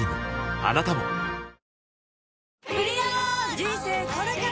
あなたも人生これから！